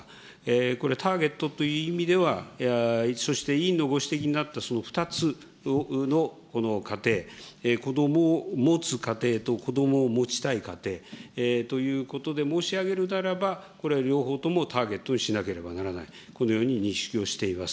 これ、ターゲットという意味では、そして委員のご指摘になったその２つの家庭、こどもを持つ家庭と子どもを持ちたい家庭ということで申し上げるならば、これ、両方ともターゲットにしなければならない、このように認識をしています。